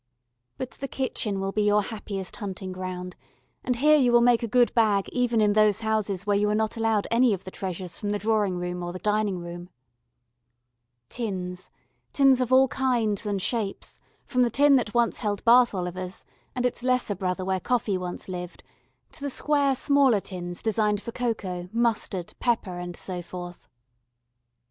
But the kitchen will be your happiest hunting ground, and here you will make a good bag even in those houses where you are not allowed any of the treasures from the drawing room or the dining room. Tins tins of all kinds and shapes, from the tin that once held Bath Olivers and its lesser brother where coffee once lived to the square smaller tins designed for cocoa, mustard, pepper, and so forth.